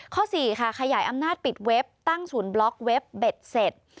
๔ค่ะขยายอำนาจปิดเว็บตั้งศูนย์บล็อกเว็บเบ็ดเสร็จ